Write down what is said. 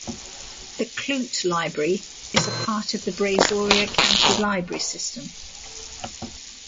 The Clute Library is a part of the Brazoria County Library System.